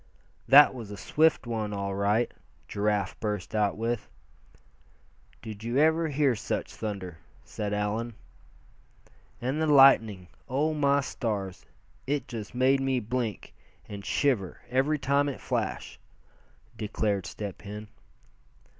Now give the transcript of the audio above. "That was a swift one, all right!" Giraffe burst out with. "Did you ever hear such thunder?" said Allan. "And the lightning oh! my stars! it just made me blink, and shiver every time it flashed," declared Step Hen.